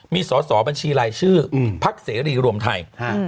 มีสอสอบัญชีรายชื่อพักเสรีรวมไทย